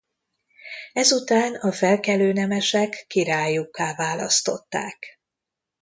Ezután a felkelő nemesek királyukká választották.